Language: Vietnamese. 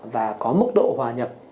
và có mức độ hòa nhập